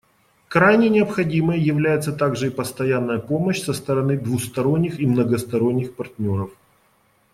Крайне необходимой является также и постоянная помощь со стороны двусторонних и многосторонних партнеров.